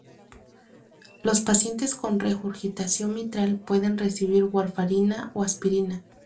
Los pacientes con regurgitación mitral pueden recibir warfarina o aspirina.